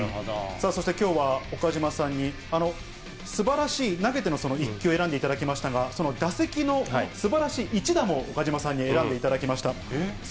さあ、そしてきょうは岡島さんにすばらしい、投げての一球を選んでいただきましたが、その打席のすばらしい一打も岡島さんに選んでいただきました。